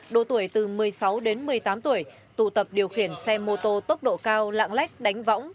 đô tuổi từ một mươi sáu đến một mươi tám tuổi tụ tập điều khiển xe mô tô tốc độ cao lạng lách đánh võng